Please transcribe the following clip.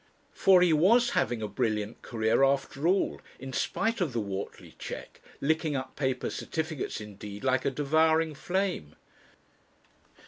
For he was having a brilliant career, after all, in spite of the Whortley check, licking up paper certificates indeed like a devouring flame.